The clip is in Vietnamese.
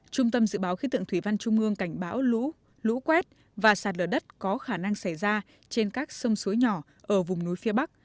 trung tâm dự báo khí tượng thủy văn trung ương cảnh báo lũ lũ quét và sạt lở đất có khả năng xảy ra trên các sông suối nhỏ ở vùng núi phía bắc